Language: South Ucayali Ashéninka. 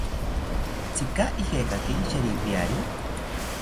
¿Tzika ijekaki sheripiari?